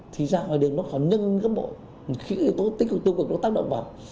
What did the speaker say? thì ra ngoài đường nó còn nâng cấp bộ khi tích cực tư cực nó tác động vào